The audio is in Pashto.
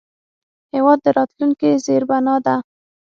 هېواد د راتلونکي زیربنا ده.